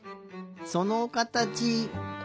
そのかたち。